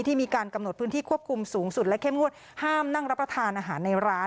มีการกำหนดพื้นที่ควบคุมสูงสุดและเข้มงวดห้ามนั่งรับประทานอาหารในร้าน